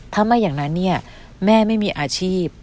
ถ้าไม่อย่างนั้นเนี่ยแม่ไม่มีอาชีพ